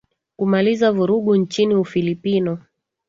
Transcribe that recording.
kumaliza vurugu nchini ufilipino